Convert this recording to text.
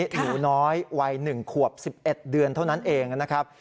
หนูน้อยวัย๑ขวบ๑๑เดือนเท่านั้นเองนะครับ